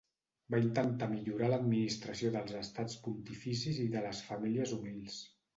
Va intentar millorar l'administració dels Estats Pontificis i de les famílies humils.